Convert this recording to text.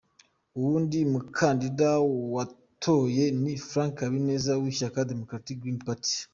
Uwundi mukandida watoye ni Frank Habineza w'ishyaka Democratic Green Party.